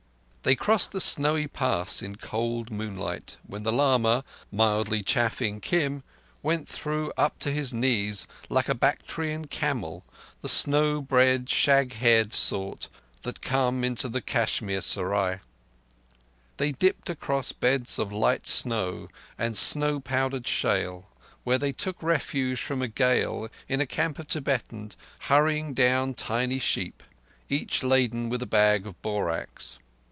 They crossed a snowy pass in cold moonlight, when the lama, mildly chaffing Kim, went through up to his knees, like a Bactrian camel—the snow bred, shag haired sort that came into the Kashmir Serai. They dipped across beds of light snow and snow powdered shale, where they took refuge from a gale in a camp of Tibetans hurrying down tiny sheep, each laden with a bag of borax.